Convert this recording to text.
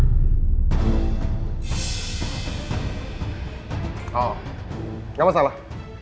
oh enggak masalah